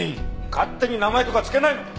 勝手に名前とか付けないの！